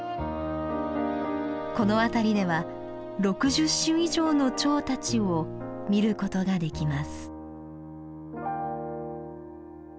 この辺りでは６０種以上のチョウたちを見ることができます。